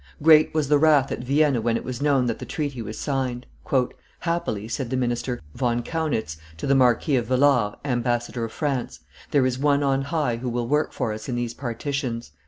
Great was the wrath at Vienna when it was known that the treaty was signed. "Happily," said the minister, Von Kaunitz, to the Marquis of Villars, ambassador of France, "there is One on high who will work for us in these partitions."